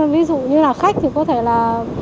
ví dụ như là khách thì có thể là